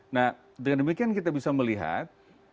nah dengan demikian kita bisa melihat